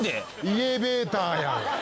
家ベーターやん。